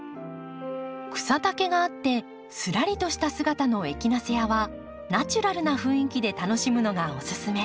草丈があってすらりとした姿のエキナセアはナチュラルな雰囲気で楽しむのがオススメ。